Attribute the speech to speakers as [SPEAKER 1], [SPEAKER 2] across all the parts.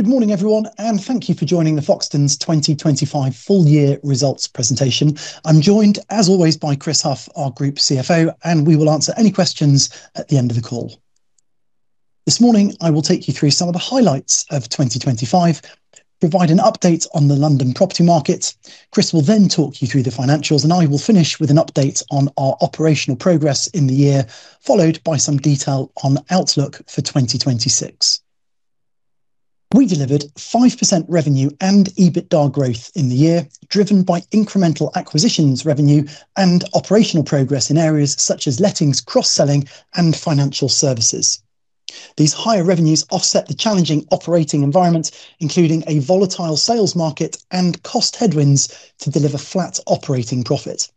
[SPEAKER 1] Good morning, everyone, thank you for joining the Foxtons 2025 full year results presentation. I'm joined, as always, by Chris Hough, our Group CFO. We will answer any questions at the end of the call. This morning, I will take you through some of the highlights of 2025, provide an update on the London property market. Chris will talk you through the financials. I will finish with an update on our operational progress in the year, followed by some detail on outlook for 2026. We delivered 5% revenue and EBITDA growth in the year, driven by incremental acquisitions revenue and operational progress in areas such as lettings, cross-selling and financial services. These higher revenues offset the challenging operating environment, including a volatile sales market and cost headwinds to deliver flat operating profit.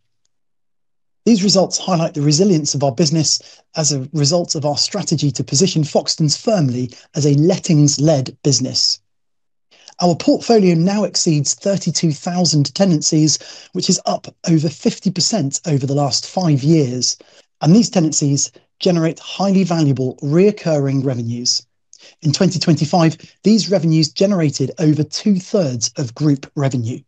[SPEAKER 1] These results highlight the resilience of our business as a result of our strategy to position Foxtons firmly as a lettings-led business. Our portfolio now exceeds 32,000 tenancies, which is up over 50% over the last five years, these tenancies generate highly valuable reoccurring revenues. In 2025, these revenues generated over 2/3 of group revenue.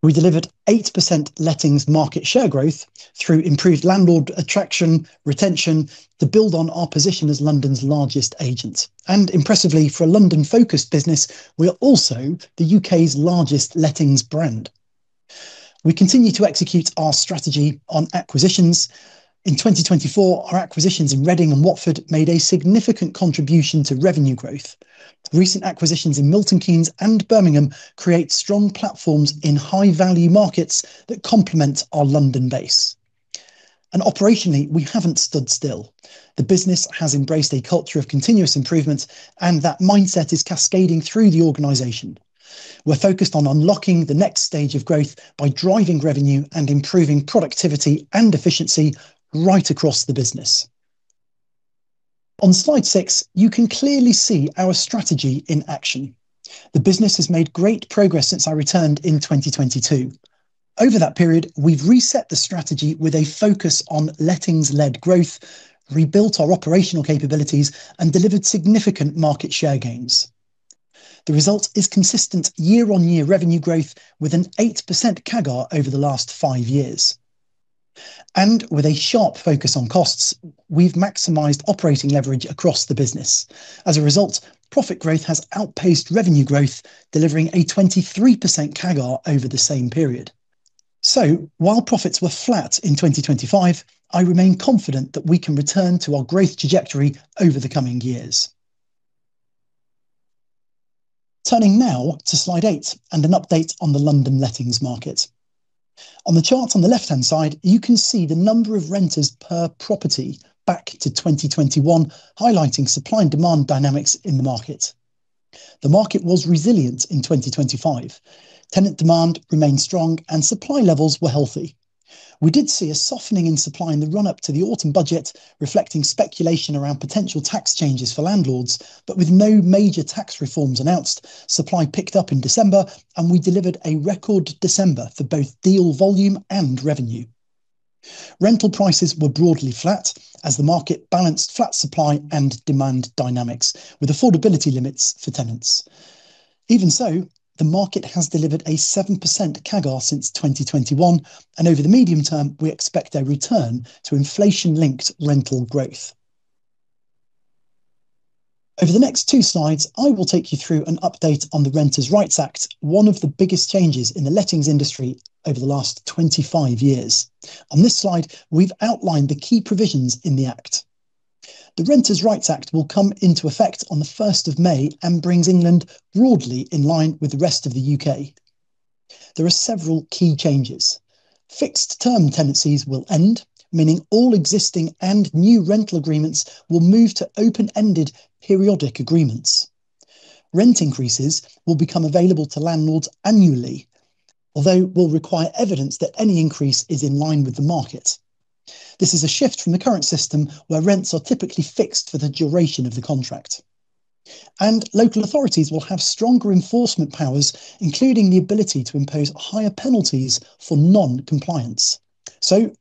[SPEAKER 1] We delivered 8% lettings market share growth through improved landlord attraction, retention to build on our position as London's largest agent. Impressively for a London-focused business, we are also the U.K.'s largest lettings brand. We continue to execute our strategy on acquisitions. In 2024, our acquisitions in Reading and Watford made a significant contribution to revenue growth. Recent acquisitions in Milton Keynes and Birmingham create strong platforms in high-value markets that complement our London base. Operationally, we haven't stood still. The business has embraced a culture of continuous improvement, and that mindset is cascading through the organization. We're focused on unlocking the next stage of growth by driving revenue and improving productivity and efficiency right across the business. On Slide 6, you can clearly see our strategy in action. The business has made great progress since I returned in 2022. Over that period, we've reset the strategy with a focus on lettings-led growth, rebuilt our operational capabilities, and delivered significant market share gains. The result is consistent year-on-year revenue growth with an 8% CAGR over the last five years. With a sharp focus on costs, we've maximized operating leverage across the business. As a result, profit growth has outpaced revenue growth, delivering a 23% CAGR over the same period. While profits were flat in 2025, I remain confident that we can return to our growth trajectory over the coming years. Turning now to Slide 8 and an update on the London lettings market. On the chart on the left-hand side, you can see the number of renters per property back to 2021, highlighting supply and demand dynamics in the market. The market was resilient in 2025. Tenant demand remained strong and supply levels were healthy. We did see a softening in supply in the run-up to the autumn budget, reflecting speculation around potential tax changes for landlords. With no major tax reforms announced, supply picked up in December, and we delivered a record December for both deal volume and revenue. Rental prices were broadly flat as the market balanced flat supply and demand dynamics with affordability limits for tenants. Even so, the market has delivered a 7% CAGR since 2021, and over the medium term, we expect a return to inflation-linked rental growth. Over the next two slides, I will take you through an update on the Renters' Rights Act, one of the biggest changes in the lettings industry over the last 25-years. On this slide, we've outlined the key provisions in the act. The Renters' Rights Act will come into effect on the 1st of May and brings England broadly in line with the rest of the U.K., There are several key changes. Fixed term tenancies will end, meaning all existing and new rental agreements will move to open-ended periodic agreements. Rent increases will become available to landlords annually, although will require evidence that any increase is in line with the market. This is a shift from the current system where rents are typically fixed for the duration of the contract. Local authorities will have stronger enforcement powers, including the ability to impose higher penalties for non-compliance.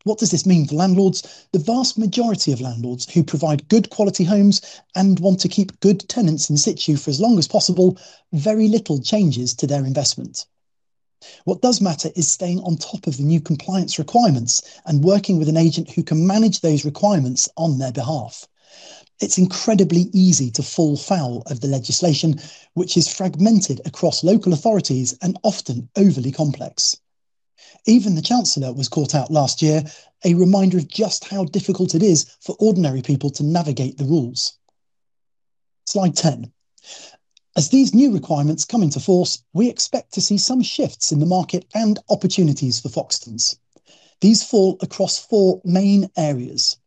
[SPEAKER 1] What does this mean for landlords? The vast majority of landlords who provide good quality homes and want to keep good tenants in situ for as long as possible, very little changes to their investment. What does matter is staying on top of the new compliance requirements and working with an agent who can manage those requirements on their behalf. It's incredibly easy to fall foul of the legislation, which is fragmented across local authorities and often overly complex. Even the Chancellor was caught out last year, a reminder of just how difficult it is for ordinary people to navigate the rules. Slide 10. As these new requirements come into force, we expect to see some shifts in the market and opportunities for Foxtons. These fall across four main areas.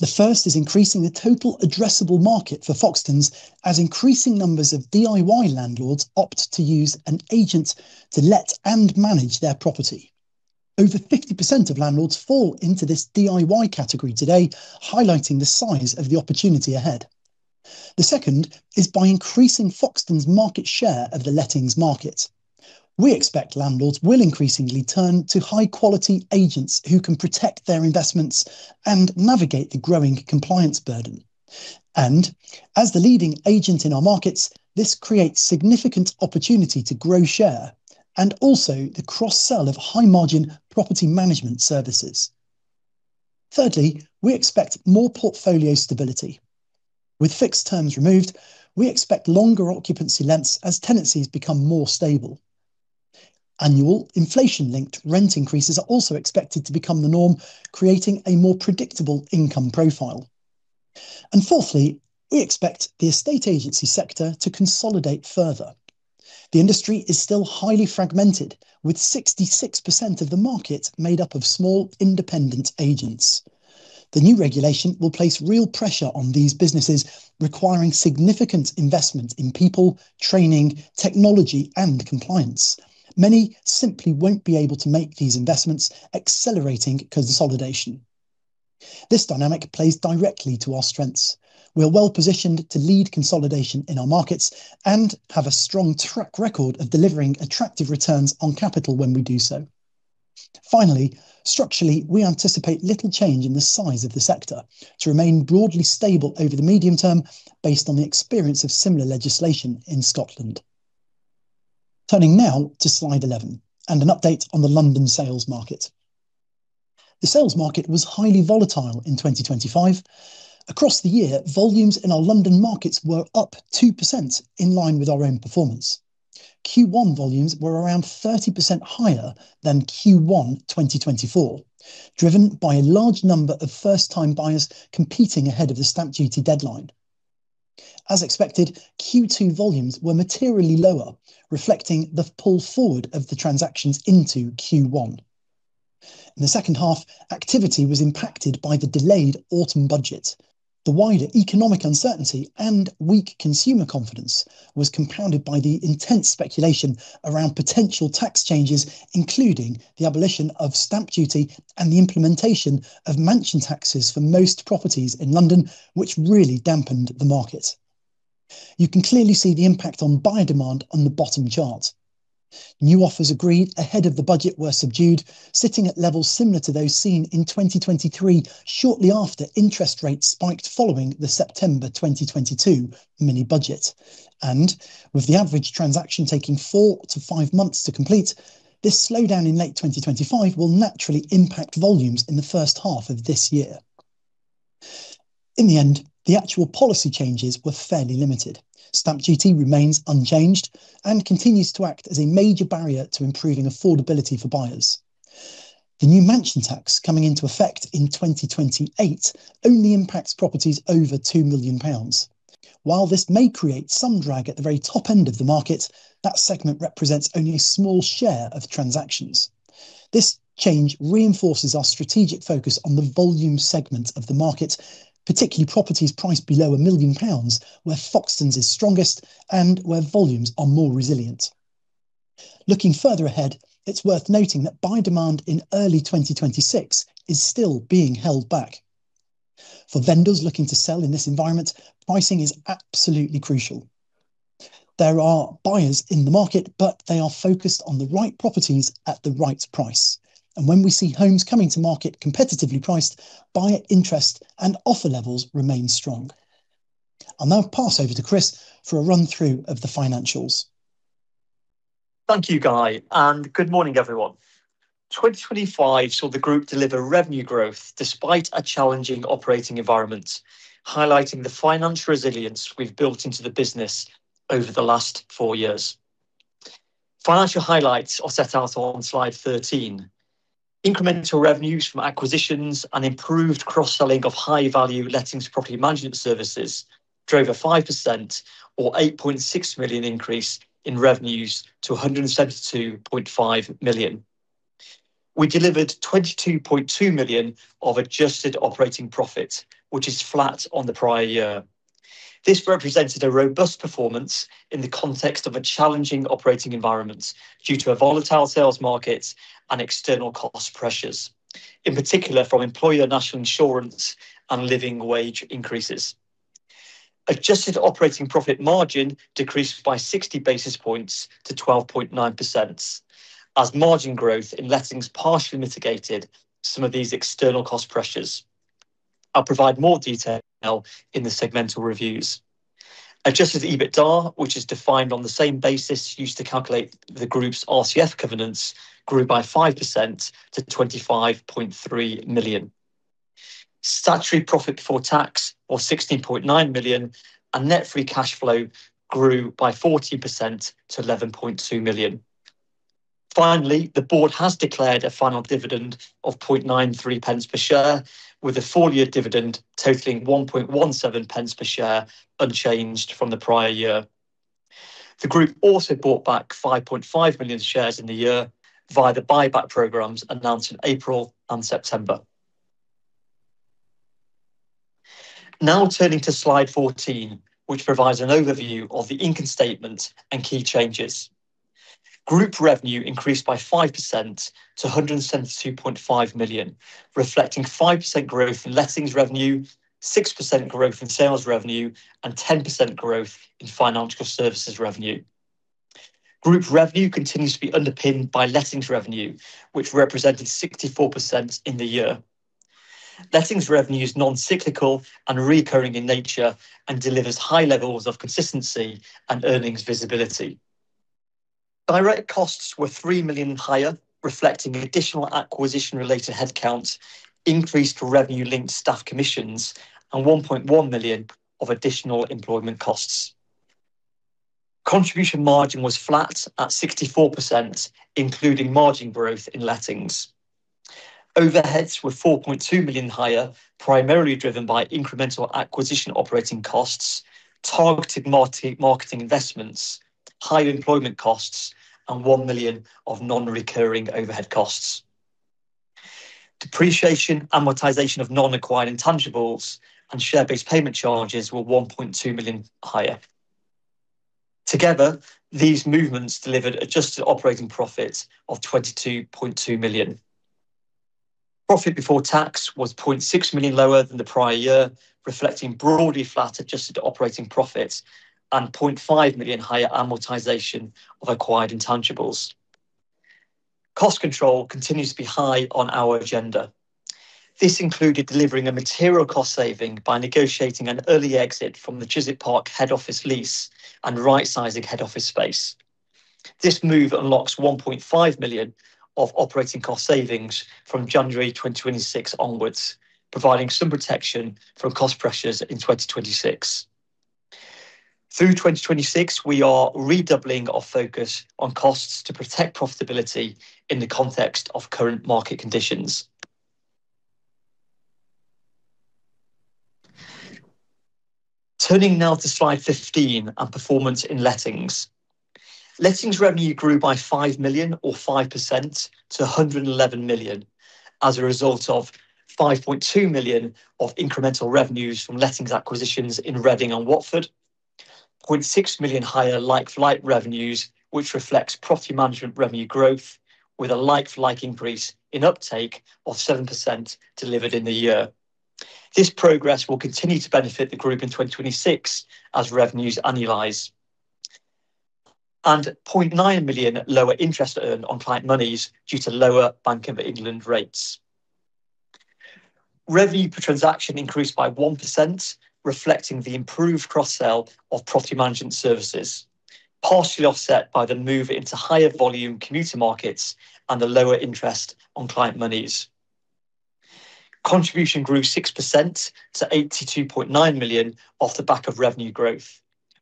[SPEAKER 1] The first is increasing the total addressable market for Foxtons as increasing numbers of DIY landlords opt to use an agent to let and manage their property. Over 50% of landlords fall into this DIY category today, highlighting the size of the opportunity ahead. The second is by increasing Foxtons' market share of the lettings market. We expect landlords will increasingly turn to high-quality agents who can protect their investments and navigate the growing compliance burden. As the leading agent in our markets, this creates significant opportunity to grow share and also the cross-sell of high-margin property management services. Thirdly, we expect more portfolio stability. With fixed terms removed, we expect longer occupancy lengths as tenancies become more stable. Annual inflation-linked rent increases are also expected to become the norm, creating a more predictable income profile. Fourthly, we expect the estate agency sector to consolidate further. The industry is still highly fragmented, with 66% of the market made up of small independent agents. The new regulation will place real pressure on these businesses, requiring significant investment in people, training, technology, and compliance. Many simply won't be able to make these investments, accelerating consolidation. This dynamic plays directly to our strengths. We are well-positioned to lead consolidation in our markets and have a strong track record of delivering attractive returns on capital when we do so. Structurally, we anticipate little change in the size of the sector to remain broadly stable over the medium term based on the experience of similar legislation in Scotland. Turning now to Slide 11 and an update on the London sales market. The sales market was highly volatile in 2025. Across the year, volumes in our London markets were up 2% in line with our own performance. Q1 volumes were around 30% higher than Q1 2024, driven by a large number of first-time buyers competing ahead of the Stamp Duty deadline. As expected, Q2 volumes were materially lower, reflecting the pull forward of the transactions into Q1. In the second half, activity was impacted by the delayed autumn budget. The wider economic uncertainty and weak consumer confidence was compounded by the intense speculation around potential tax changes, including the abolition of Stamp Duty and the implementation of mansion taxes for most properties in London, which really dampened the market. You can clearly see the impact on buyer demand on the bottom chart. New offers agreed ahead of the budget were subdued, sitting at levels similar to those seen in 2023 shortly after interest rates spiked following the September 2022 mini budget. With the average transaction taking four to five months to complete, this slowdown in late 2025 will naturally impact volumes in the first half of this year. In the end, the actual policy changes were fairly limited. Stamp Duty remains unchanged and continues to act as a major barrier to improving affordability for buyers. The new mansion tax coming into effect in 2028 only impacts properties over 2 million pounds. While this may create some drag at the very top end of the market, that segment represents only a small share of transactions. This change reinforces our strategic focus on the volume segment of the market, particularly properties priced below 1 million pounds, where Foxtons is strongest and where volumes are more resilient. Looking further ahead, it's worth noting that buyer demand in early 2026 is still being held back. For vendors looking to sell in this environment, pricing is absolutely crucial. There are buyers in the market, but they are focused on the right properties at the right price. When we see homes coming to market competitively priced, buyer interest and offer levels remain strong. I'll now pass over to Chris for a run-through of the financials.
[SPEAKER 2] Thank you, Guy. Good morning, everyone. 2025 saw the group deliver revenue growth despite a challenging operating environment, highlighting the financial resilience we've built into the business over the last four years. Financial highlights are set out on Slide 13. Incremental revenues from acquisitions and improved cross-selling of high-value lettings property management services drove a 5% or 8.6 million increase in revenues to 172.5 million. We delivered 22.2 million of adjusted operating profit, which is flat on the prior year. This represented a robust performance in the context of a challenging operating environment due to a volatile sales market and external cost pressures, in particular from Employer National Insurance and Living Wage increases. Adjusted operating profit margin decreased by 60 basis points to 12.9% as margin growth in lettings partially mitigated some of these external cost pressures. I'll provide more detail in the segmental reviews. Adjusted EBITDA, which is defined on the same basis used to calculate the group's RCF covenants, grew by 5% to 25.3 million. Statutory profit before tax or 16.9 million and net free cash flow grew by 14% to 11.2 million. The board has declared a final dividend of 0.93 pence per share with a full-year dividend totaling 1.17 pence per share unchanged from the prior year. The group also bought back 5.5 million shares in the year via the buyback programs announced in April and September. Turning to Slide 14, which provides an overview of the income statement and key changes. Group revenue increased by 5% to 172.5 million, reflecting 5% growth in lettings revenue, 6% growth in sales revenue, and 10% growth in financial services revenue. Group revenue continues to be underpinned by lettings revenue, which represented 64% in the year. Lettings revenue is non-cyclical and recurring in nature and delivers high levels of consistency and earnings visibility. Direct costs were 3 million higher, reflecting additional acquisition-related headcount, increased revenue linked staff commissions, and 1.1 million of additional employment costs. Contribution margin was flat at 64%, including margin growth in lettings. Overheads were 4.2 million higher, primarily driven by incremental acquisition operating costs, targeted marketing investments, higher employment costs, and 1 million of non-recurring overhead costs. Depreciation, amortization of non-acquired intangibles, and share-based payment charges were 1.2 million higher. Together, these movements delivered adjusted operating profit of 22.2 million. Profit before tax was 0.6 million lower than the prior year, reflecting broadly flat adjusted operating profits and 0.5 million higher amortization of acquired intangibles. Cost control continues to be high on our agenda. This included delivering a material cost saving by negotiating an early exit from the Chiswick Park head office lease and rightsizing head office space. This move unlocks 1.5 million of operating cost savings from January 2026 onwards, providing some protection from cost pressures in 2026. Through 2026, we are redoubling our focus on costs to protect profitability in the context of current market conditions. Turning now to Slide 15 on performance in lettings. Lettings revenue grew by 5 million or 5% to 111 million as a result of 5.2 million of incremental revenues from lettings acquisitions in Reading and Watford. 0.6 million higher like-for-like revenues, which reflects property management revenue growth with a like-for-like increase in uptake of 7% delivered in the year. This progress will continue to benefit the group in 2026 as revenues annualize. 0.9 million lower interest earned on client monies due to lower Bank of England rates. Revenue per transaction increased by 1%, reflecting the improved cross-sell of property management services, partially offset by the move into higher volume commuter markets and the lower interest on client monies. Contribution grew 6% to 82.9 million off the back of revenue growth,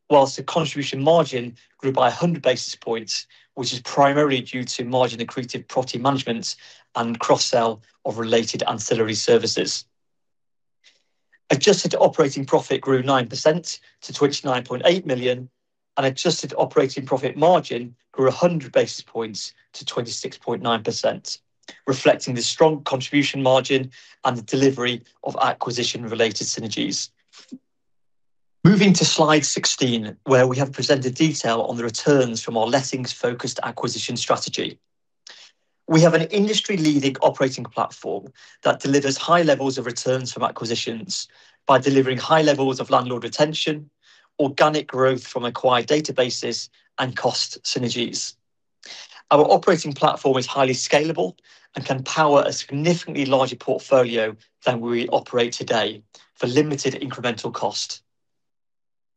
[SPEAKER 2] whilst the contribution margin grew by 100 basis points, which is primarily due to margin-accretive property management and cross-sell of related ancillary services. Adjusted operating profit grew 9% to 29.8 million and adjusted operating profit margin grew 100 basis points to 26.9%, reflecting the strong contribution margin and the delivery of acquisition-related synergies. Moving to Slide 16, where we have presented detail on the returns from our lettings-focused acquisition strategy. We have an industry-leading operating platform that delivers high levels of returns from acquisitions by delivering high levels of landlord retention, organic growth from acquired databases and cost synergies. Our operating platform is highly scalable and can power a significantly larger portfolio than we operate today for limited incremental cost.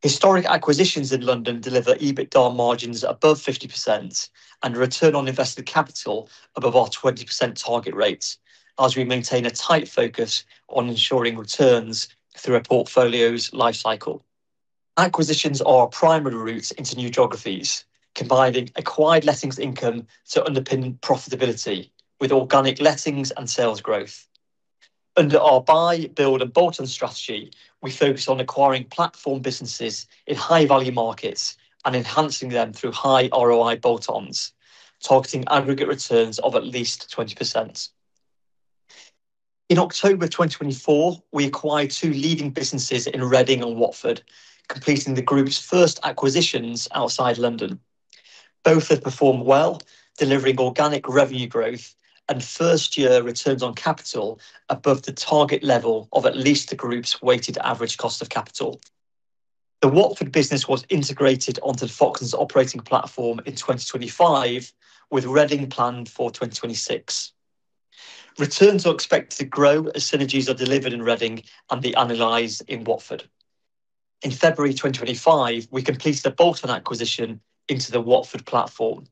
[SPEAKER 2] Historic acquisitions in London deliver EBITDA margins above 50% and return on invested capital above our 20% target rates as we maintain a tight focus on ensuring returns through a portfolio's life cycle. Acquisitions are a primary route into new geographies, combining acquired lettings income to underpin profitability with organic lettings and sales growth. Under our buy, build, and bolt-on strategy, we focus on acquiring platform businesses in high-value markets and enhancing them through high ROI bolt-ons, targeting aggregate returns of at least 20%. In October 2024, we acquired two leading businesses in Reading and Watford, completing the group's first acquisitions outside London. Both have performed well, delivering organic revenue growth and first-year returns on capital above the target level of at least the group's weighted average cost of capital. The Watford business was integrated onto the Foxtons operating platform in 2025, with Reading planned for 2026. Returns are expected to grow as synergies are delivered in Reading and the analyze in Watford. In February 2025, we completed a bolt-on acquisition into the Watford platform.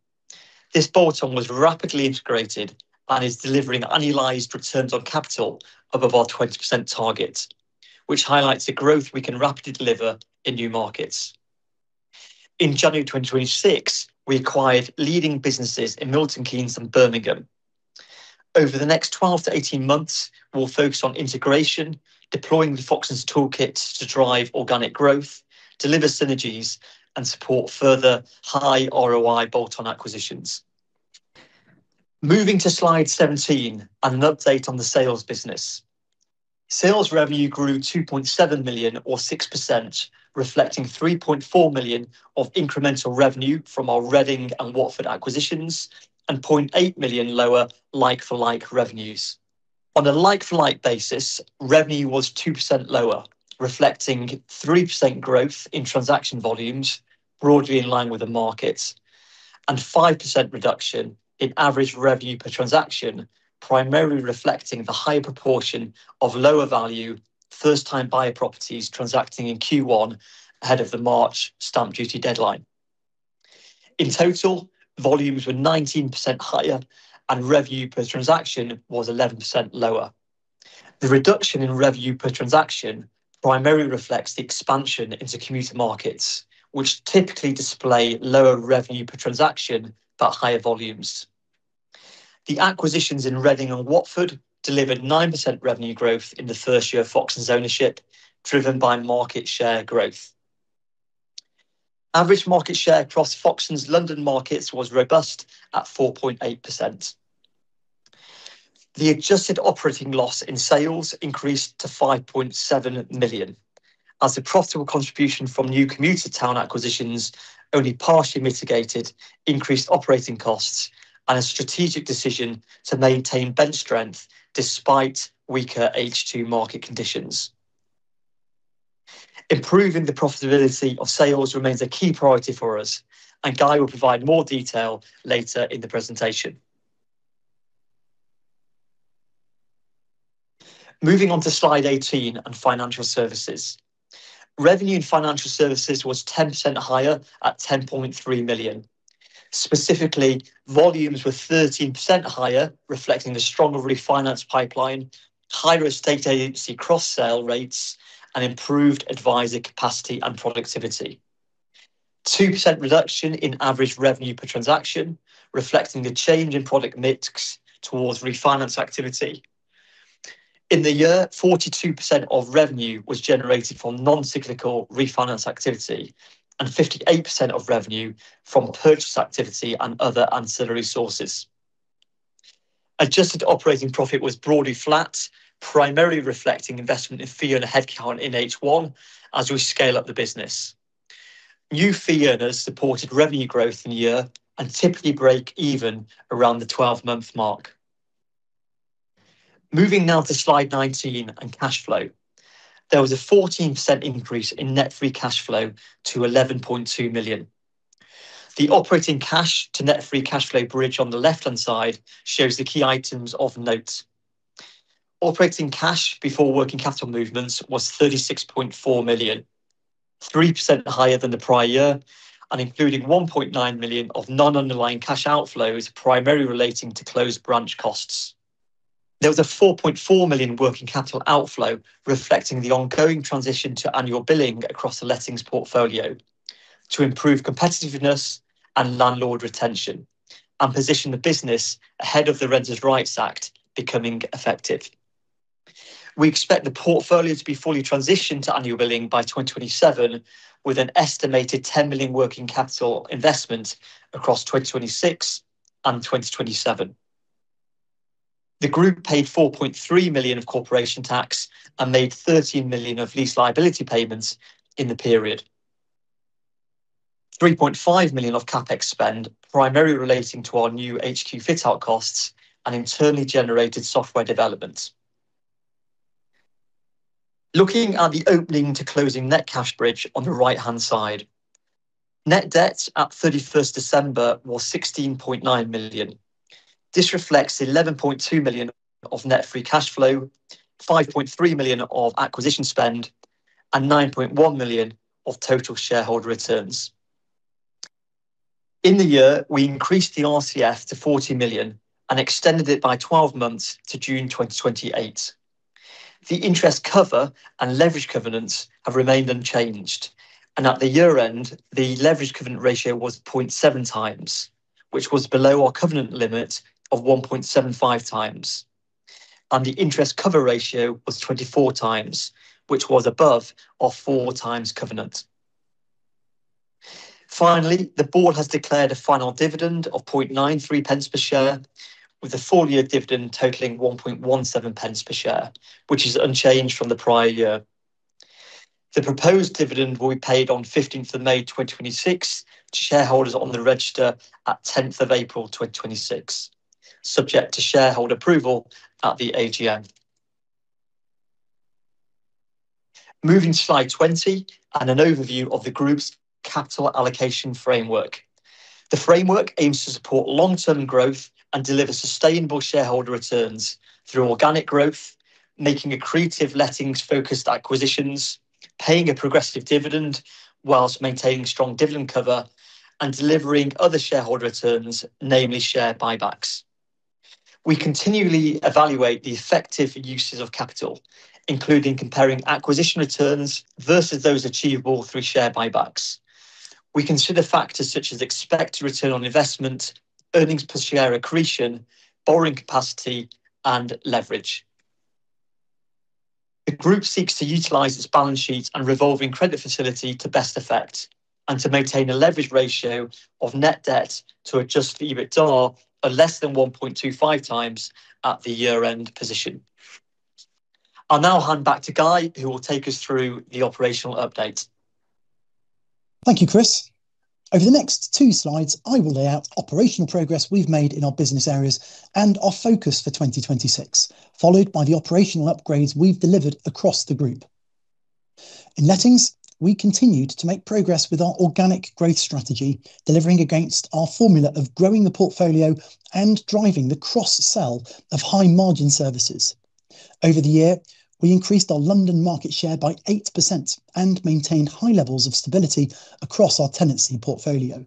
[SPEAKER 2] This bolt-on was rapidly integrated and is delivering annualized returns on capital above our 20% target, which highlights the growth we can rapidly deliver in new markets. In January 2026, we acquired leading businesses in Milton Keynes and Birmingham. Over the next 12-18 months, we'll focus on integration, deploying the Foxtons toolkit to drive organic growth, deliver synergies, and support further high ROI bolt-on acquisitions. Moving to Slide 17 and an update on the sales business. Sales revenue grew 2.7 million or 6%, reflecting 3.4 million of incremental revenue from our Reading and Watford acquisitions and 0.8 million lower like-for-like revenues. On a like-for-like basis, revenue was 2% lower, reflecting 3% growth in transaction volumes, broadly in line with the market, and 5% reduction in average revenue per transaction, primarily reflecting the high proportion of lower value first-time buyer properties transacting in Q1 ahead of the March Stamp Duty deadline. In total, volumes were 19% higher and revenue per transaction was 11% lower. The reduction in revenue per transaction primarily reflects the expansion into commuter markets, which typically display lower revenue per transaction, but higher volumes. The acquisitions in Reading and Watford delivered 9% revenue growth in the first year of Foxtons ownership, driven by market share growth. Average market share across Foxtons London markets was robust at 4.8%. The adjusted operating loss in sales increased to 5.7 million. As the profitable contribution from new commuter town acquisitions only partially mitigated increased operating costs and a strategic decision to maintain bench strength despite weaker H2 market conditions. Improving the profitability of sales remains a key priority for us, and Guy will provide more detail later in the presentation. Moving on to Slide 18 on financial services. Revenue in financial services was 10% higher at 10.3 million. Specifically, volumes were 13% higher, reflecting the stronger refinance pipeline, higher estate agency cross-sell rates, and improved advisor capacity and productivity. 2% reduction in average revenue per transaction, reflecting the change in product mix towards refinance activity. In the year, 42% of revenue was generated from non-cyclical refinance activity and 58% of revenue from purchase activity and other ancillary sources. Adjusted operating profit was broadly flat, primarily reflecting investment in fee and headcount in H1 as we scale up the business. New fee earners supported revenue growth in the year and typically break even around the 12-month mark. Moving now to Slide 19 on cash flow. There was a 14% increase in net free cash flow to 11.2 million. The operating cash to net free cash flow bridge on the left-hand side shows the key items of note. Operating cash before working capital movements was 36.4 million, 3% higher than the prior year, and including 1.9 million of non-underlying cash outflows, primarily relating to closed branch costs. There was a 4.4 million working capital outflow reflecting the ongoing transition to annual billing across the lettings portfolio to improve competitiveness and landlord retention, and position the business ahead of the Renters' Rights Act becoming effective. We expect the portfolio to be fully transitioned to annual billing by 2027, with an estimated 10 million working capital investment across 2026 and 2027. The group paid 4.3 million of corporation tax and made 13 million of lease liability payments in the period. 3.5 million of CapEx spend, primarily relating to our new HQ fit-out costs and internally generated software developments. Looking at the opening to closing net cash bridge on the right-hand side. Net debt at 31st December was 16.9 million. This reflects 11.2 million of net free cash flow, 5.3 million of acquisition spend, and 9.1 million of total shareholder returns. In the year, we increased the RCF to 40 million and extended it by 12-months to June 2028. The interest cover and leverage covenants have remained unchanged, and at the year-end, the leverage covenant ratio was 0.7 times, which was below our covenant limit of 1.75 times. The interest cover ratio was 24 times, which was above our four times covenant. Finally, the board has declared a final dividend of 0.93 pence per share, with the full year dividend totaling 1.17 pence per share, which is unchanged from the prior year. The proposed dividend will be paid on 15th of May 2026 to shareholders on the register at 10th of April 2026, subject to shareholder approval at the AGM. Moving to Slide 20, an overview of the Group's capital allocation framework. The framework aims to support long-term growth and deliver sustainable shareholder returns through organic growth, making accretive lettings-focused acquisitions, paying a progressive dividend whilst maintaining strong dividend cover, and delivering other shareholder returns, namely share buybacks. We continually evaluate the effective uses of capital, including comparing acquisition returns versus those achievable through share buybacks. We consider factors such as expected return on investment, earnings per share accretion, borrowing capacity, and leverage. The group seeks to utilize its balance sheet and revolving credit facility to best effect, and to maintain a leverage ratio of net debt to adjust EBITDA of less than 1.25 times at the year-end position. I'll now hand back to Guy, who will take us through the operational update.
[SPEAKER 1] Thank you, Chris. Over the next two slides, I will lay out operational progress we've made in our business areas and our focus for 2026, followed by the operational upgrades we've delivered across the group. In lettings, we continued to make progress with our organic growth strategy, delivering against our formula of growing the portfolio and driving the cross-sell of high-margin services. Over the year, we increased our London market share by 8% and maintained high levels of stability across our tenancy portfolio.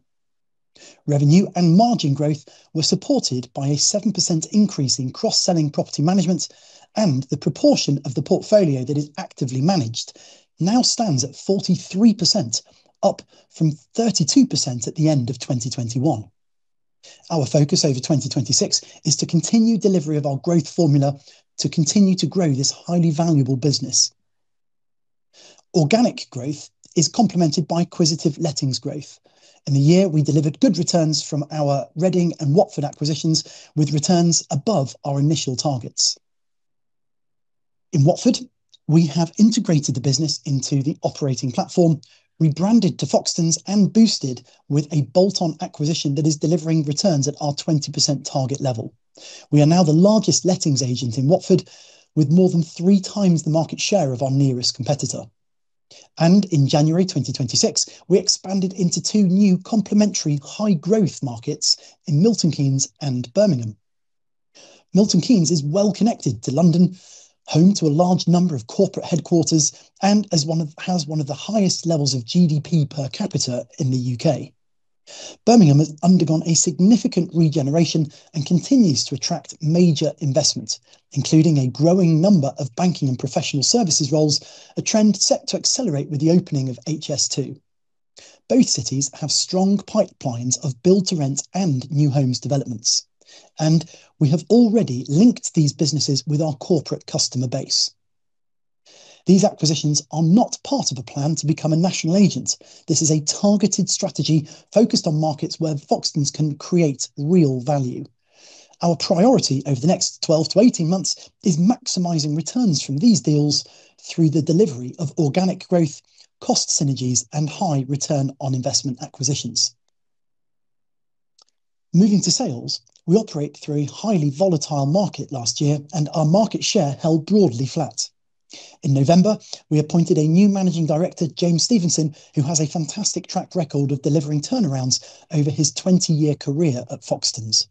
[SPEAKER 1] Revenue and margin growth were supported by a 7% increase in cross-selling property management, and the proportion of the portfolio that is actively managed now stands at 43%, up from 32% at the end of 2021. Our focus over 2026 is to continue delivery of our growth formula to continue to grow this highly valuable business. Organic growth is complemented by acquisitive lettings growth. In the year, we delivered good returns from our Reading and Watford acquisitions, with returns above our initial targets. In Watford, we have integrated the business into the operating platform, rebranded to Foxtons, and boosted with a bolt-on acquisition that is delivering returns at our 20% target level. We are now the largest lettings agent in Watford, with more than three times the market share of our nearest competitor. In January 2026, we expanded into two new complementary high-growth markets in Milton Keynes and Birmingham. Milton Keynes is well-connected to London, home to a large number of corporate headquarters, and has one of the highest levels of GDP per capita in the U.K. Birmingham has undergone a significant regeneration and continues to attract major investment, including a growing number of banking and professional services roles, a trend set to accelerate with the opening of HS2. Both cities have strong pipelines of build-to-rent and new homes developments, and we have already linked these businesses with our corporate customer base. These acquisitions are not part of a plan to become a national agent. This is a targeted strategy focused on markets where Foxtons can create real value. Our priority over the next 12-18 months is maximizing returns from these deals through the delivery of organic growth, cost synergies, and high return on investment acquisitions. Moving to sales, we operate through a highly volatile market last year, and our market share held broadly flat. In November, we appointed a new managing director, James Stevenson, who has a fantastic track record of delivering turnarounds over his 20-year career at Foxtons.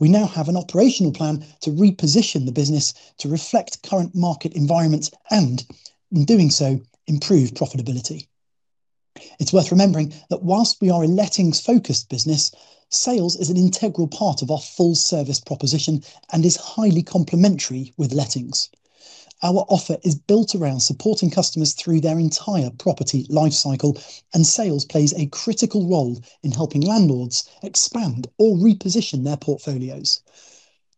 [SPEAKER 1] We now have an operational plan to reposition the business to reflect current market environments and, in doing so, improve profitability. It's worth remembering that while we are a lettings-focused business, sales is an integral part of our full service proposition and is highly complementary with lettings. Our offer is built around supporting customers through their entire property life cycle, and sales plays a critical role in helping landlords expand or reposition their portfolios.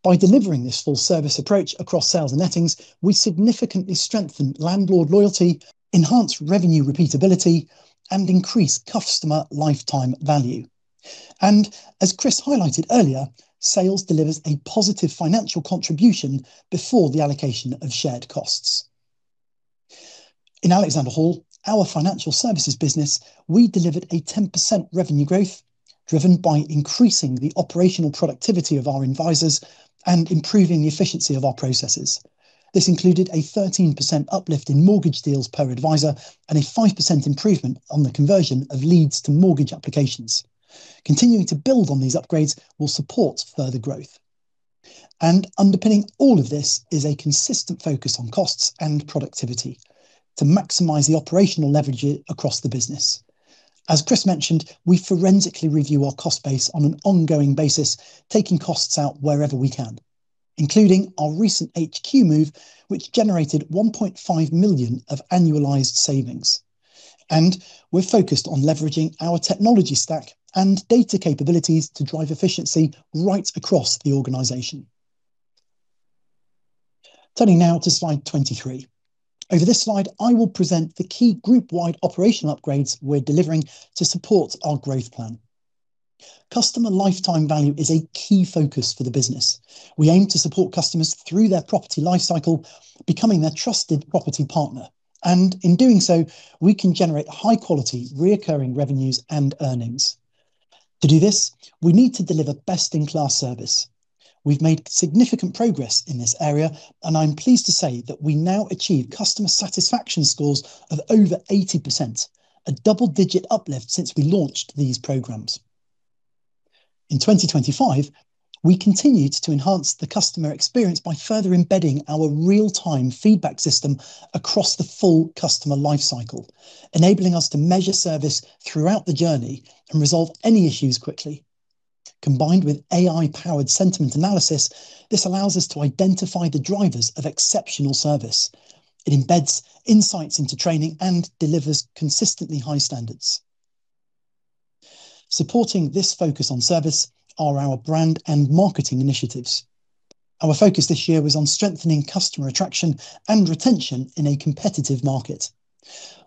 [SPEAKER 1] By delivering this full-service approach across sales and lettings, we significantly strengthen landlord loyalty, enhance revenue repeatability, and increase customer lifetime value. As Chris highlighted earlier, sales delivers a positive financial contribution before the allocation of shared costs. In Alexander Hall, our financial services business, we delivered a 10% revenue growth driven by increasing the operational productivity of our advisors and improving the efficiency of our processes. This included a 13% uplift in mortgage deals per advisor and a 5% improvement on the conversion of leads to mortgage applications. Continuing to build on these upgrades will support further growth. Underpinning all of this is a consistent focus on costs and productivity to maximize the operational leverage across the business. As Chris mentioned, we forensically review our cost base on an ongoing basis, taking costs out wherever we can, including our recent HQ move, which generated 1.5 million of annualized savings. We're focused on leveraging our technology stack and data capabilities to drive efficiency right across the organization. Turning now to Slide 23. Over this slide, I will present the key group-wide operational upgrades we're delivering to support our growth plan. Customer lifetime value is a key focus for the business. We aim to support customers through their property life cycle, becoming their trusted property partner. In doing so, we can generate high-quality, recurring revenues and earnings. To do this, we need to deliver best-in-class service. We've made significant progress in this area, and I'm pleased to say that we now achieve customer satisfaction scores of over 80%, a double-digit uplift since we launched these programs. In 2025, we continued to enhance the customer experience by further embedding our real-time feedback system across the full customer life cycle, enabling us to measure service throughout the journey and resolve any issues quickly. Combined with AI-powered sentiment analysis, this allows us to identify the drivers of exceptional service. It embeds insights into training and delivers consistently high standards. Supporting this focus on service are our brand and marketing initiatives. Our focus this year was on strengthening customer attraction and retention in a competitive market.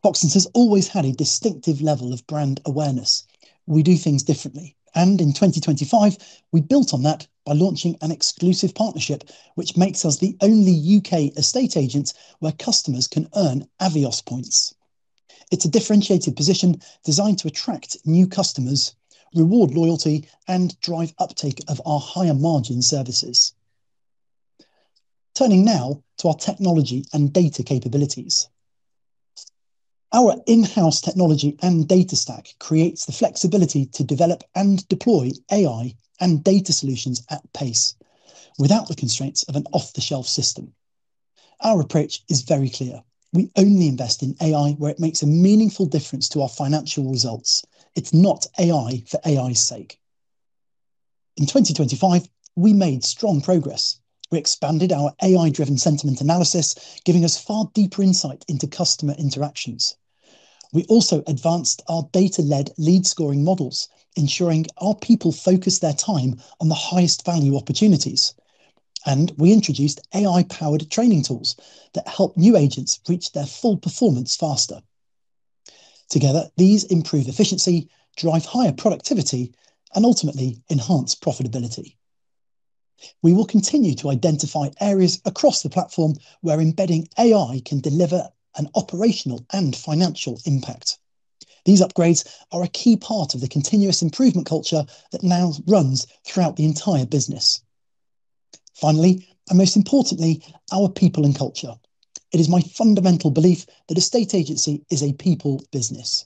[SPEAKER 1] Foxtons has always had a distinctive level of brand awareness. We do things differently. In 2025, we built on that by launching an exclusive partnership, which makes us the only U.K. estate agent where customers can earn Avios points. It's a differentiated position designed to attract new customers, reward loyalty, and drive uptake of our higher margin services. Turning now to our technology and data capabilities. Our in-house technology and data stack creates the flexibility to develop and deploy AI and data solutions at pace without the constraints of an off-the-shelf system. Our approach is very clear. We only invest in AI where it makes a meaningful difference to our financial results. It's not AI for AI's sake. In 2025, we made strong progress. We expanded our AI-driven sentiment analysis, giving us far deeper insight into customer interactions. We also advanced our data-led lead scoring models, ensuring our people focus their time on the highest value opportunities. We introduced AI-powered training tools that help new agents reach their full performance faster. Together, these improve efficiency, drive higher productivity, and ultimately enhance profitability. We will continue to identify areas across the platform where embedding AI can deliver an operational and financial impact. These upgrades are a key part of the continuous improvement culture that now runs throughout the entire business. Most importantly, our people and culture. It is my fundamental belief that estate agency is a people business.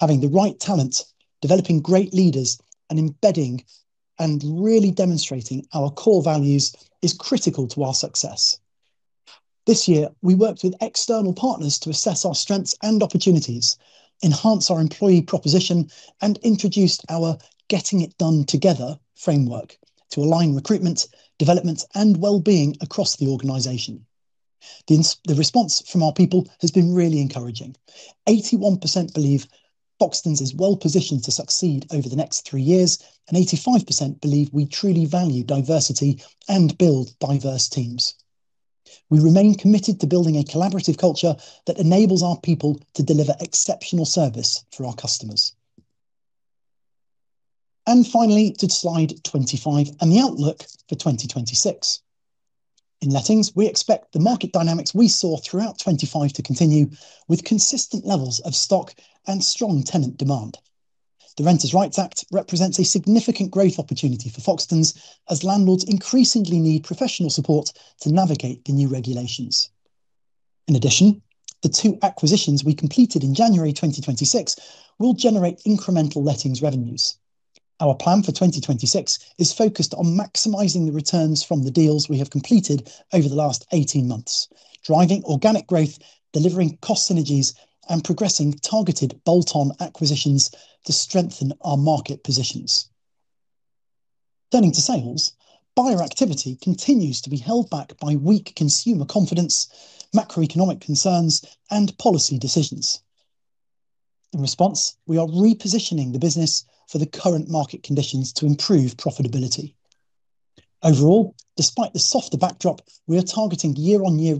[SPEAKER 1] Having the right talent, developing great leaders, and embedding and really demonstrating our core values is critical to our success. This year, we worked with external partners to assess our strengths and opportunities, enhance our employee proposition, and introduced our Getting It Done. Together. framework to align recruitment, development, and well-being across the organization. The response from our people has been really encouraging. 81% believe Foxtons is well-positioned to succeed over the next three years, and 85% believe we truly value diversity and build diverse teams. We remain committed to building a collaborative culture that enables our people to deliver exceptional service for our customers. Finally, to Slide 25 and the outlook for 2026. In lettings, we expect the market dynamics we saw throughout 2025 to continue with consistent levels of stock and strong tenant demand. The Renters' Rights Act represents a significant growth opportunity for Foxtons as landlords increasingly need professional support to navigate the new regulations. In addition, the two acquisitions we completed in January 2026 will generate incremental lettings revenues. Our plan for 2026 is focused on maximizing the returns from the deals we have completed over the last 18-months, driving organic growth, delivering cost synergies, and progressing targeted bolt-on acquisitions to strengthen our market positions. Turning to sales, buyer activity continues to be held back by weak consumer confidence, macroeconomic concerns, and policy decisions. In response, we are repositioning the business for the current market conditions to improve profitability. Overall, despite the softer backdrop, we are targeting year-on-year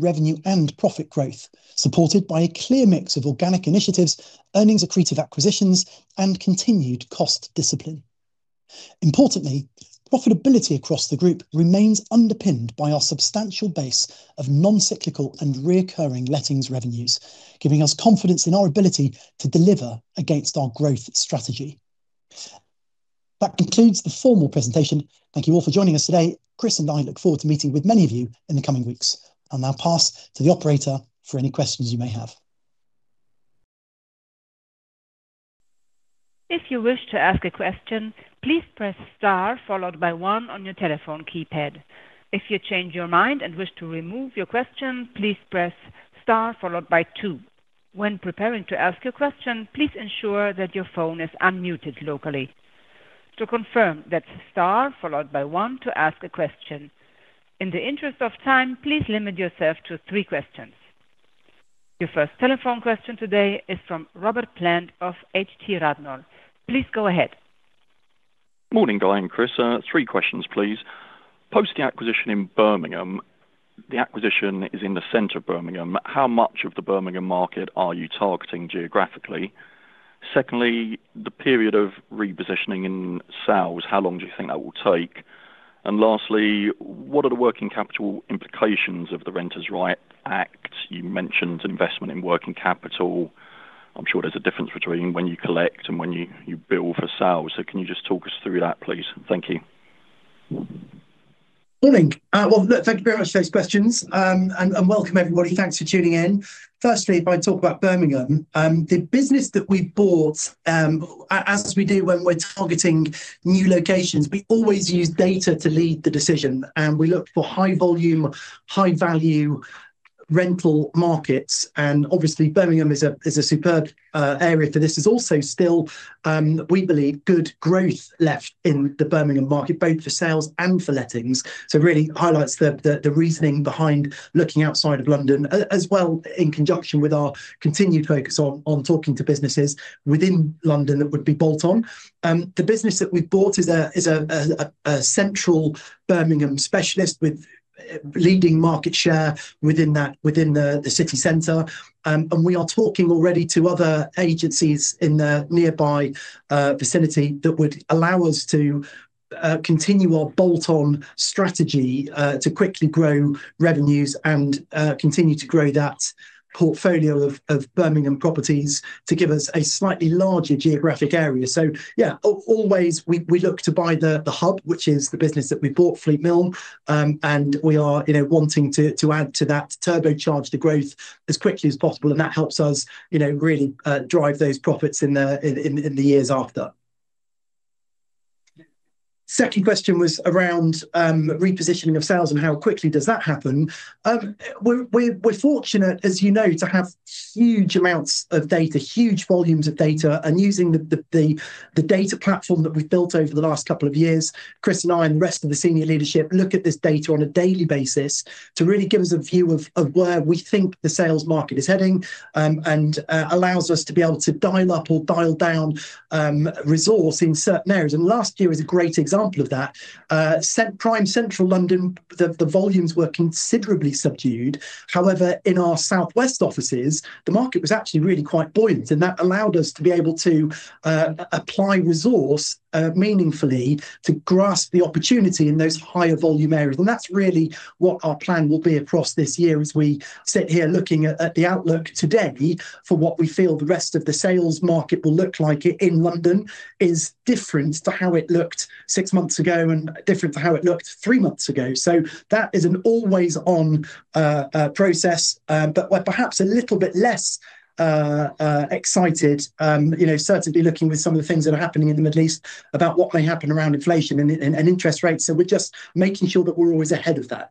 [SPEAKER 1] revenue and profit growth, supported by a clear mix of organic initiatives, earnings accretive acquisitions, and continued cost discipline. Importantly, profitability across the group remains underpinned by our substantial base of non-cyclical and recurring lettings revenues, giving us confidence in our ability to deliver against our growth strategy. That concludes the formal presentation. Thank you all for joining us today. Chris and I look forward to meeting with many of you in the coming weeks. I'll now pass to the operator for any questions you may have.
[SPEAKER 3] If you wish to ask a question, please press star followed by one on your telephone keypad. If you change your mind and wish to remove your question, please press star followed by two. When preparing to ask a question, please ensure that your phone is unmuted locally. To confirm, that's star followed by one to ask a question. In the interest of time, please limit yourself to three questions. Your first telephone question today is from Robert Plant of h2Radnor. Please go ahead.
[SPEAKER 4] Morning, Guy and Chris. three questions, please. Post the acquisition in Birmingham, the acquisition is in the center of Birmingham. How much of the Birmingham market are you targeting geographically? Secondly, the period of repositioning in sales, how long do you think that will take? Lastly, what are the working capital implications of the Renters' Rights Act? You mentioned investment in working capital. I'm sure there's a difference between when you collect and when you bill for sales. Can you just talk us through that, please? Thank you.
[SPEAKER 1] Morning. Well, look, thank you very much for those questions, and welcome everybody. Thanks for tuning in. Firstly, if I talk about Birmingham, the business that we bought, as we do when we're targeting new locations, we always use data to lead the decision. We look for high volume, high value, rental markets, and obviously Birmingham is a superb area for this. There's also still, we believe, good growth left in the Birmingham market, both for sales and for lettings. Really highlights the reasoning behind looking outside of London as well in conjunction with our continued focus on talking to businesses within London that would be bolt on. The business that we bought is a central Birmingham specialist with leading market share within that, within the city center. We are talking already to other agencies in the nearby vicinity that would allow us to continue our bolt-on strategy to quickly grow revenues and continue to grow that portfolio of Birmingham properties to give us a slightly larger geographic area. Yeah, always we look to buy the hub, which is the business that we bought, FleetMilne. We are, you know, wanting to add to that, to turbocharge the growth as quickly as possible, and that helps us, you know, really drive those profits in the years after. Second question was around repositioning of sales and how quickly does that happen. We're fortunate, as you know, to have huge amounts of data, huge volumes of data. Using the data platform that we've built over the last couple of years, Chris and I and the rest of the senior leadership look at this data on a daily basis to really give us a view of where we think the sales market is heading, and allows us to be able to dial up or dial down resource in certain areas. Last year was a great example of that. Prime central London, the volumes were considerably subdued. However, in our southwest offices, the market was actually really quite buoyant, and that allowed us to be able to apply resource meaningfully to grasp the opportunity in those higher volume areas. That's really what our plan will be across this year as we sit here looking at the outlook today for what we feel the rest of the sales market will look like in London is different to how it looked six months ago and different to how it looked three months ago. That is an always on process. We're perhaps a little bit less excited, you know, certainly looking with some of the things that are happening in the Middle East about what may happen around inflation and interest rates. We're just making sure that we're always ahead of that.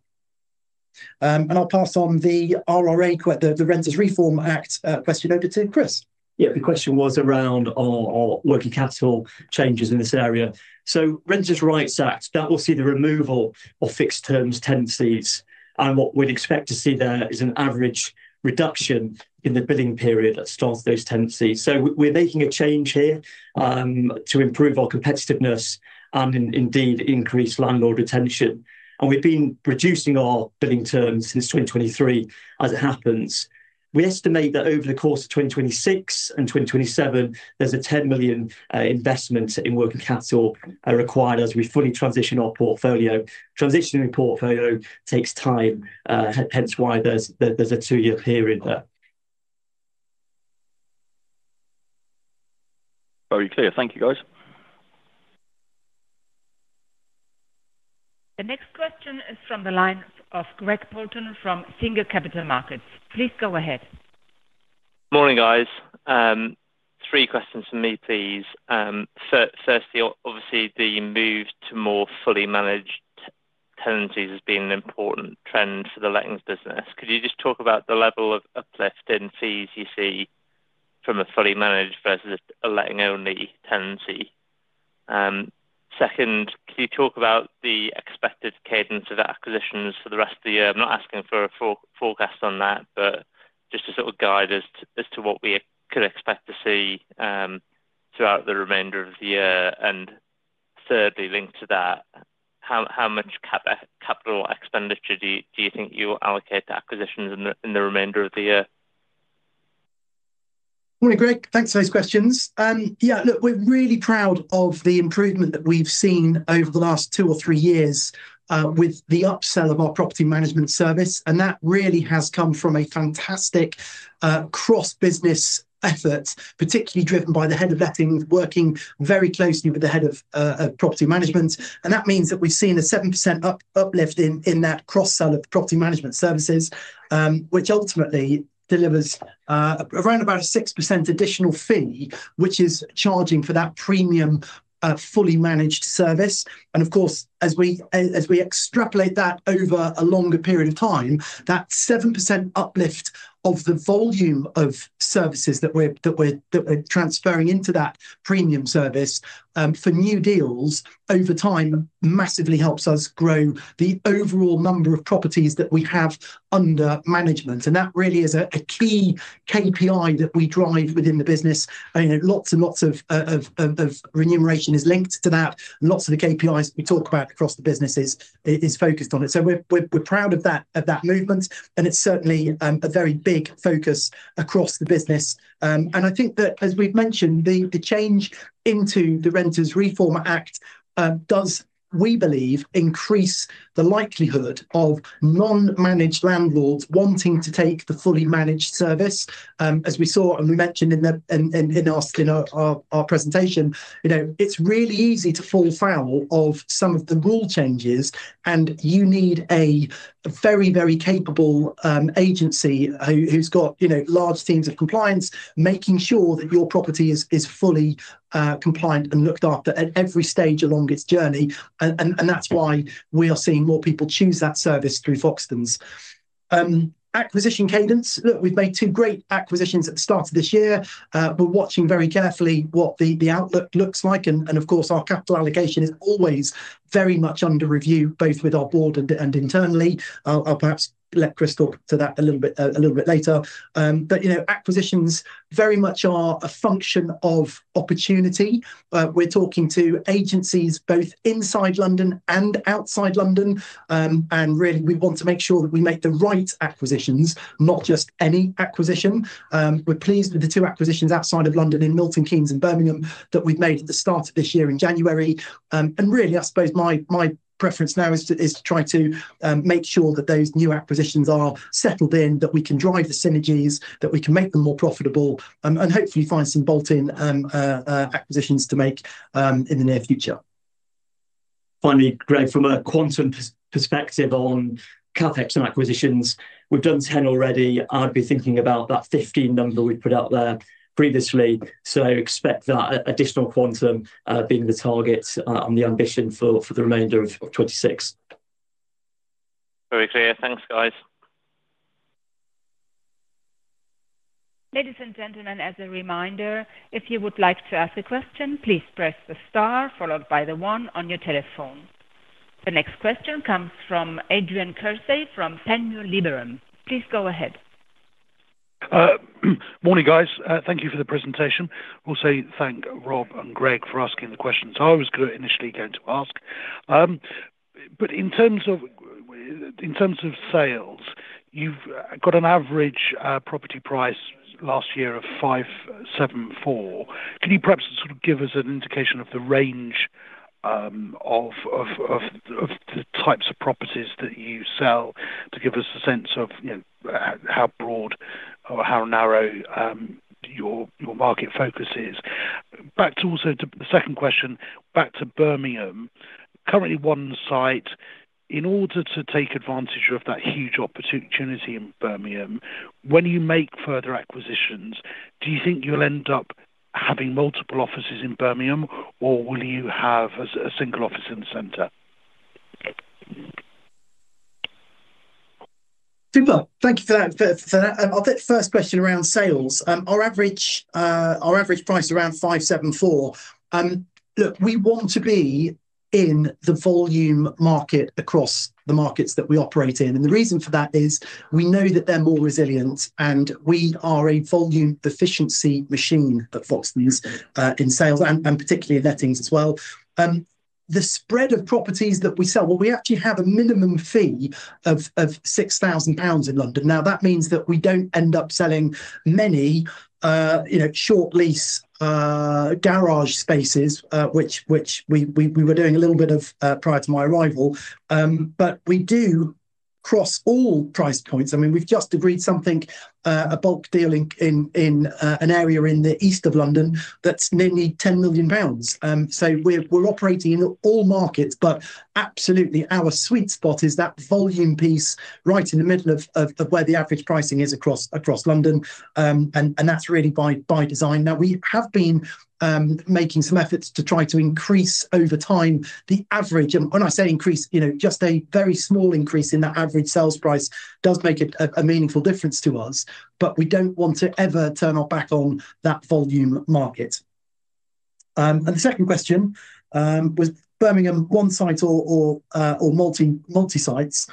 [SPEAKER 1] I'll pass on the RRA the Renters Reform Act question over to Chris.
[SPEAKER 2] Yeah. The question was around our working capital changes in this area. Renters' Rights Act, that will see the removal of fixed terms tenancies, and what we'd expect to see there is an average reduction in the billing period that starts those tenancies. We're making a change here to improve our competitiveness and indeed increase landlord retention. We've been reducing our billing terms since 2023 as it happens. We estimate that over the course of 2026 and 2027, there's a 10 million investment in working capital required as we fully transition our portfolio. Transitioning portfolio takes time, hence why there's a two-year period there.
[SPEAKER 4] Very clear. Thank you, guys.
[SPEAKER 3] The next question is from the line of Greg Poulton from Singer Capital Markets. Please go ahead.
[SPEAKER 5] Morning, guys. Three questions from me, please. firstly, obviously the move to more fully managed tenancies has been an important trend for the lettings business. Could you just talk about the level of uplift in fees you see from a fully managed versus a letting-only tenancy? Second, could you talk about the expected cadence of acquisitions for the rest of the year? I'm not asking for a forecast on that, but just a sort of guide as to what we could expect to see throughout the remainder of the year. Thirdly, linked to that, how much capital expenditure do you think you will allocate to acquisitions in the remainder of the year?
[SPEAKER 1] Morning, Greg. Thanks for those questions. Yeah, look, we're really proud of the improvement that we've seen over the last two or three years with the upsell of our property management service, that really has come from a fantastic cross-business effort, particularly driven by the head of letting working very closely with the head of property management. That means that we've seen a 7% uplift in that cross-sell of property management services, which ultimately delivers around about a 6% additional fee, which is charging for that premium, fully managed service. Of course, as we extrapolate that over a longer period of time, that 7% uplift of the volume of services that we're transferring into that premium service for new deals over time massively helps us grow the overall number of properties that we have under management. That really is a key KPI that we drive within the business. You know, lots and lots of remuneration is linked to that. Lots of the KPIs we talk about across the businesses is focused on it. We're proud of that, of that movement, and it's certainly a very big focus across the business. I think that, as we've mentioned, the change into the Renters Reform Act does, we believe, increase the likelihood of non-managed landlords wanting to take the fully managed service. As we saw and we mentioned in our presentation, you know, it's really easy to fall foul of some of the rule changes, and you need a very capable agency who's got, you know, large teams of compliance, making sure that your property is fully compliant and looked after at every stage along its journey. That's why we are seeing more people choose that service through Foxtons. Acquisition cadence. Look, we've made two great acquisitions at the start of this year. We're watching very carefully what the outlook looks like and of course, our capital allocation is always very much under review, both with our board and internally. I'll perhaps let Chris talk to that a little bit later. You know, acquisitions very much are a function of opportunity. We're talking to agencies both inside London and outside London. Really we want to make sure that we make the right acquisitions, not just any acquisition. We're pleased with the two acquisitions outside of London in Milton Keynes and Birmingham that we've made at the start of this year in January. Really, I suppose my preference now is to try to make sure that those new acquisitions are settled in, that we can drive the synergies, that we can make them more profitable, and hopefully find some bolt-in acquisitions to make in the near future.
[SPEAKER 2] Finally, Greg, from a quantum perspective on CapEx and acquisitions, we've done 10 already. I'd be thinking about that 15 number that we put out there previously. Expect that additional quantum being the target and the ambition for the remainder of 2026.
[SPEAKER 5] Very clear. Thanks, guys.
[SPEAKER 3] Ladies and gentlemen, as a reminder, if you would like to ask a question, please press the star followed by the one on your telephone. The next question comes from Adrian Kearsey from Panmure Liberum. Please go ahead.
[SPEAKER 6] Morning, guys. Thank you for the presentation. Thank Rob and Greg for asking the questions I was initially going to ask. In terms of sales, you've got an average property price last year of 574. Can you perhaps sort of give us an indication of the range of the types of properties that you sell to give us a sense of, you know, how broad or how narrow your market focus is? Back to also to the second question, back to Birmingham. Currently one site. In order to take advantage of that huge opportunity in Birmingham, when you make further acquisitions, do you think you'll end up having multiple offices in Birmingham, or will you have a single office in the center?
[SPEAKER 1] Super. Thank you for that. For that. I'll take first question around sales. Our average price around 574, look, we want to be in the volume market across the markets that we operate in. The reason for that is we know that they're more resilient, and we are a volume efficiency machine at Foxtons, in sales and particularly in lettings as well. The spread of properties that we sell, well, we actually have a minimum fee of 6,000 pounds in London. That means that we don't end up selling many, you know, short lease, garage spaces, which we were doing a little bit of, prior to my arrival. We do cross all price points. I mean, we've just agreed something, a bulk deal in an area in the east of London that's nearly 10 million pounds. We're operating in all markets. Absolutely our sweet spot is that volume piece right in the middle of where the average pricing is across London. That's really by design. Now, we have been making some efforts to try to increase over time the average. When I say increase, you know, just a very small increase in that average sales price does make it a meaningful difference to us. We don't want to ever turn our back on that volume market. The second question with Birmingham one site or multi-sites?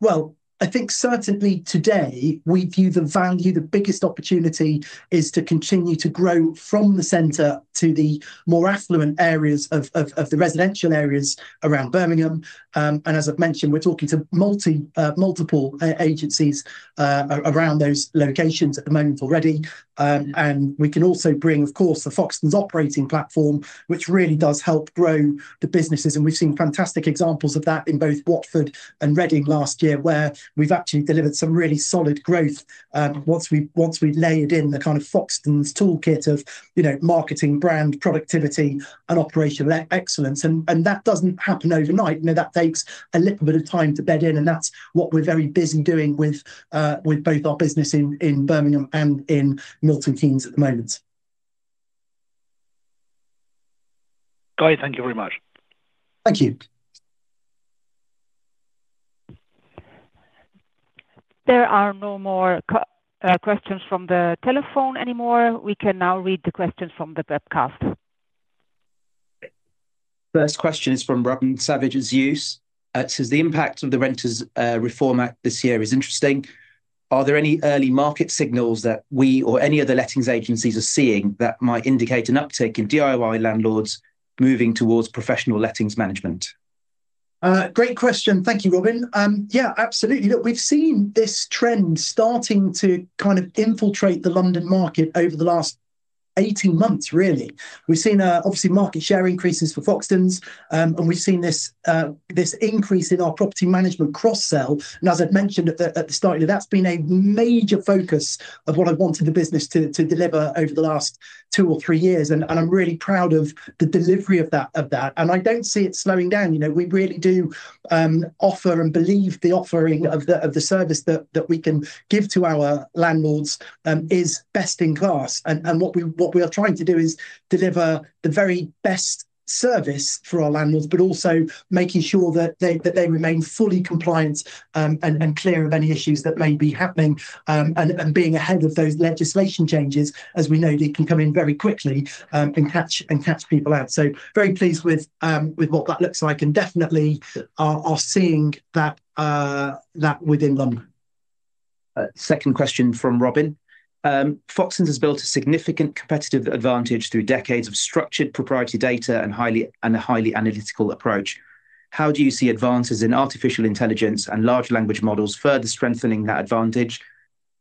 [SPEAKER 1] Well, I think certainly today we view the value, the biggest opportunity is to continue to grow from the center to the more affluent areas of the residential areas around Birmingham. As I've mentioned, we're talking to multiple agencies around those locations at the moment already. We can also bring, of course, the Foxtons operating platform, which really does help grow the businesses, and we've seen fantastic examples of that in both Watford and Reading last year, where we've actually delivered some really solid growth once we layered in the kind of Foxtons toolkit of, you know, marketing, brand, productivity, and operational excellence. That doesn't happen overnight. You know, that takes a little bit of time to bed in, and that's what we're very busy doing with both our business in Birmingham and in Milton Keynes at the moment.
[SPEAKER 6] Great. Thank you very much.
[SPEAKER 1] Thank you.
[SPEAKER 3] There are no more questions from the telephone anymore. We can now read the questions from the webcast.
[SPEAKER 7] First question is from Robin Savage at Zeus. It says, "The impact of the Renters Reform Act this year is interesting. Are there any early market signals that we or any other lettings agencies are seeing that might indicate an uptick in DIY landlords moving towards professional lettings management?
[SPEAKER 1] Great question. Thank you, Robin. Yeah, absolutely. Look, we've seen this trend starting to kind of infiltrate the London market over the last 18-months really. We've seen, obviously market share increases for Foxtons, and we've seen this increase in our property management cross-sell. As I'd mentioned at the start, that's been a major focus of what I wanted the business to deliver over the last two or three years, and I'm really proud of the delivery of that. I don't see it slowing down. You know, we really do offer and believe the offering of the service that we can give to our landlords is best-in-class. What we are trying to do is deliver the very best service for our landlords, but also making sure that they remain fully compliant, and clear of any issues that may be happening. And being ahead of those legislation changes, as we know, they can come in very quickly, and catch people out. Very pleased with what that looks like, and definitely are seeing that within London.
[SPEAKER 7] Second question from Robin. "Foxtons has built a significant competitive advantage through decades of structured proprietary data and a highly analytical approach. How do you see advances in artificial intelligence and Large Language Models further strengthening that advantage,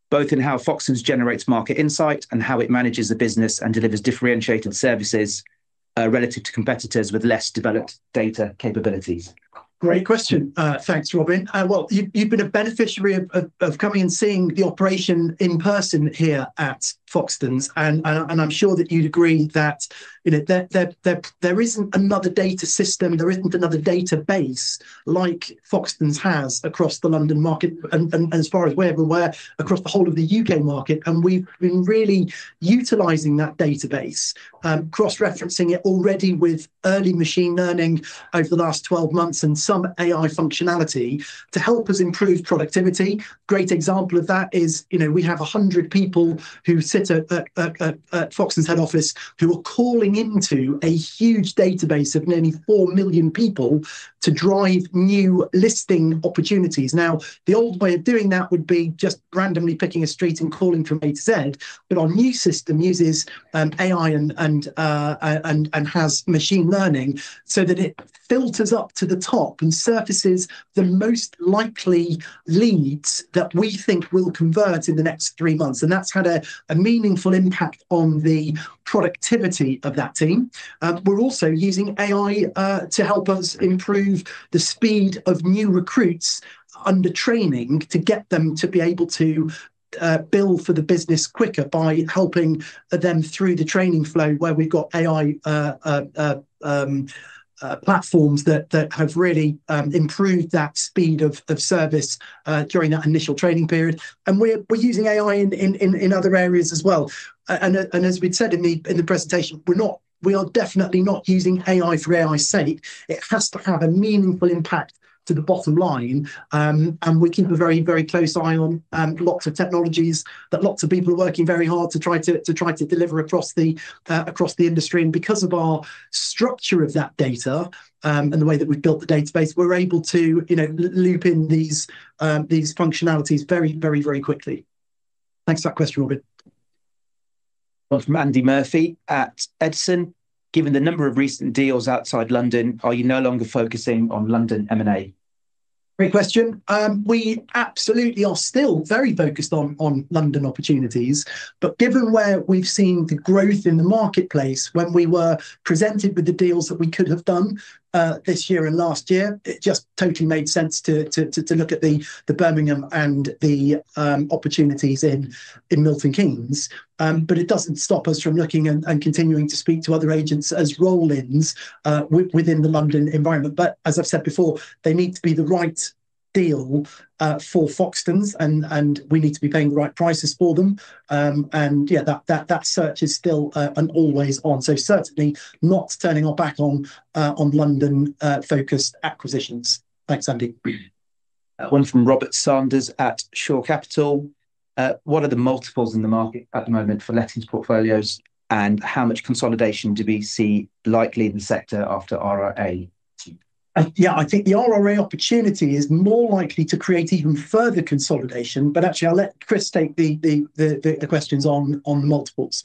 [SPEAKER 7] both in how Foxtons generates market insight and how it manages the business and delivers differentiated services, relative to competitors with less-developed data capabilities?
[SPEAKER 1] Great question. Thanks, Robin. Well, you've been a beneficiary of coming and seeing the operation in person here at Foxtons, and I'm sure that you'd agree that, you know, there isn't another data system, there isn't another database like Foxtons has across the London market. As far as we're aware, across the whole of the U.K. market, and we've been really utilizing that database. Cross-referencing it already with early machine learning over the last 12-months, and some AI functionality to help us improve productivity. Great example of that is, you know, we have 100 people who sit at Foxtons head office who are calling into a huge database of nearly 4 million people to drive new listing opportunities. The old way of doing that would be just randomly picking a street and calling from A-Z, but our new system uses AI and has machine learning so that it filters up to the top and surfaces the most likely leads that we think will convert in the next three months. That's had a meaningful impact on the productivity of that team. We're also using AI to help us improve the speed of new recruits under training to get them to be able to bill for the business quicker by helping them through the training flow, where we've got AI platforms that have really improved that speed of service during that initial training period. We're using AI in other areas as well. As we said in the presentation, we're not, we are definitely not using AI for AI's sake. It has to have a meaningful impact to the bottom line. We keep a very, very close eye on lots of technologies that lots of people are working very hard to try to deliver across the industry. Because of our structure of that data, and the way that we've built the database, we're able to, you know, loop in these functionalities very, very, very quickly. Thanks for that question, Robin.
[SPEAKER 7] One from Andy Murphy at Edison. "Given the number of recent deals outside London, are you no longer focusing on London M&A?
[SPEAKER 1] Great question. We absolutely are still very focused on London opportunities, but given where we've seen the growth in the marketplace, when we were presented with the deals that we could have done this year and last year, it just totally made sense to look at the Birmingham and the opportunities in Milton Keynes. It doesn't stop us from looking and continuing to speak to other agents as roll-ins within the London environment. As I've said before, they need to be the right deal for Foxtons and we need to be paying the right prices for them. Yeah, that search is still and always on. Certainly not turning our back on London focused acquisitions. Thanks, Andy.
[SPEAKER 7] One from Robert Sanders at Shore Capital. "What are the multiples in the market at the moment for lettings portfolios, and how much consolidation do we see likely in the sector after RRA?
[SPEAKER 1] Yeah, I think the RRA opportunity is more likely to create even further consolidation, but actually, I'll let Chris take the questions on multiples.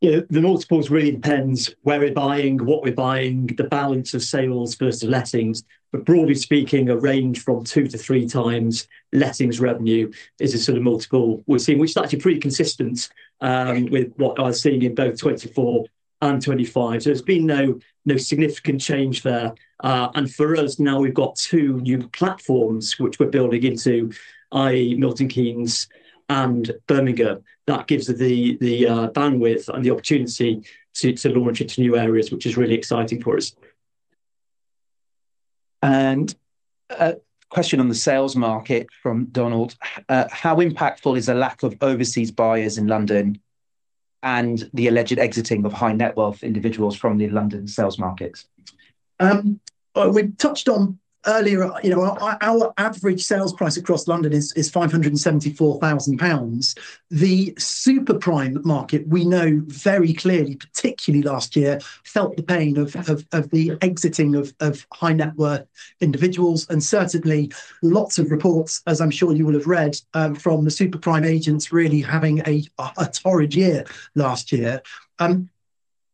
[SPEAKER 2] Yeah, the multiples really depends where we're buying, what we're buying, the balance of sales versus lettings. Broadly speaking, a range from two times to three times lettings revenue is a sort of multiple we're seeing, which is actually pretty consistent with what I was seeing in both 2024 and 2025. There's been no significant change there. For us, now we've got two new platforms which we're building into, i.e., Milton Keynes and Birmingham. That gives the bandwidth and the opportunity to launch into new areas, which is really exciting for us.
[SPEAKER 7] A question on the sales market from Donald. "How impactful is the lack of overseas buyers in London and the alleged exiting of high-net-worth individuals from the London sales markets?
[SPEAKER 1] We touched on earlier, you know, our average sales price across London is 574,000 pounds. The super-prime market, we know very clearly, particularly last year, felt the pain of the exiting of high-net-worth individuals, and certainly lots of reports, as I'm sure you will have read, from the super-prime agents really having a torrid year last year.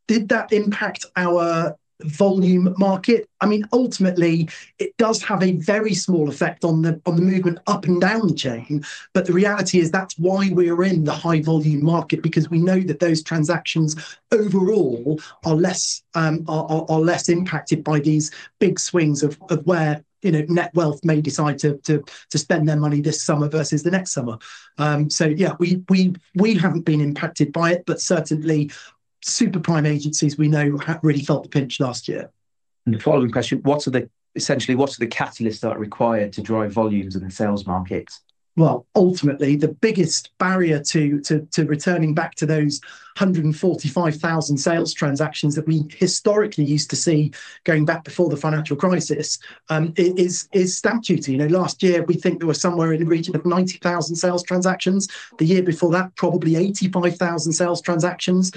[SPEAKER 1] Did that impact our volume market? I mean, ultimately it does have a very small effect on the movement up and down the chain, but the reality is that's why we're in the high-volume market because we know that those transactions overall are less impacted by these big swings of where, you know, net wealth may decide to spend their money this summer versus the next summer. Yeah, we haven't been impacted by it, but certainly super-prime agencies we know have really felt the pinch last year.
[SPEAKER 7] The following question, essentially, what are the catalysts that are required to drive volumes in the sales markets?
[SPEAKER 1] Well, ultimately, the biggest barrier to returning back to those 145,000 sales transactions that we historically used to see going back before the financial crisis is statutory. You know, last year we think there were somewhere in the region of 90,000 sales transactions. The year before that, probably 85,000 sales transactions.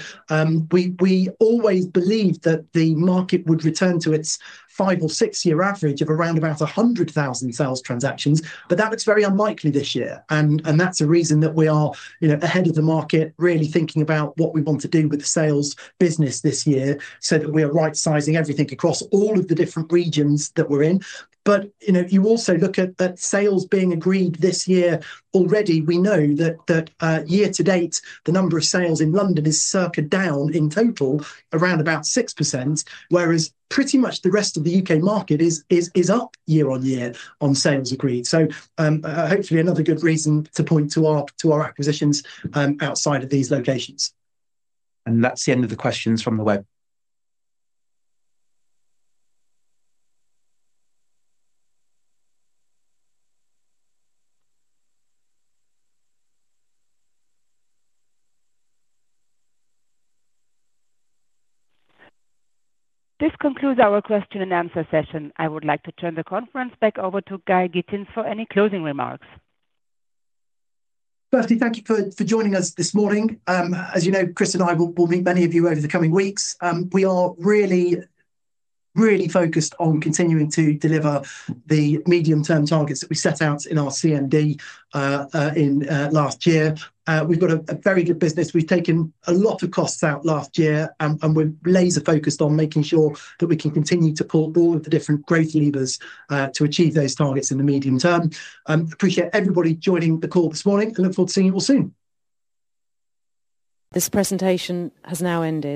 [SPEAKER 1] We always believed that the market would return to its five or six year average of around about 100,000 sales transactions, but that looks very unlikely this year. That's a reason that we are, you know, ahead of the market really thinking about what we want to do with the sales business this year so that we are right-sizing everything across all of the different regions that we're in. You know, you also look at that sales being agreed this year already, we know that year to date, the number of sales in London is circa down in total around about 6%, whereas pretty much the rest of the U.K. market is up year-on-year on sales agreed. Hopefully another good reason to point to our acquisitions outside of these locations.
[SPEAKER 7] That's the end of the questions from the web.
[SPEAKER 3] This concludes our question and answer session. I would like to turn the conference back over to Guy Gittins for any closing remarks.
[SPEAKER 1] Firstly, thank thank you for joining us this morning. As you know, Chris and I will meet many of you over the coming weeks. We are really focused on continuing to deliver the medium-term targets that we set out in our CMD last year. We've got a very good business. We've taken a lot of costs out last year, and we're laser-focused on making sure that we can continue to pull all of the different growth levers to achieve those targets in the medium term. Appreciate everybody joining the call this morning and look forward to seeing you all soon.
[SPEAKER 3] This presentation has now ended.